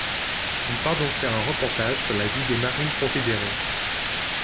Il part donc faire un reportage sur la vie des marines confédérés.